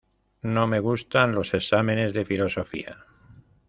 No me gustan los exámenes de filosofía.